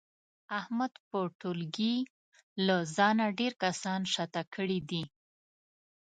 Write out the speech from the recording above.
احمد په ټولګي له ځانه ډېر کسان شاته کړي دي.